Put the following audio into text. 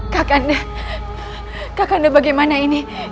kakak anda kakak anda bagaimana ini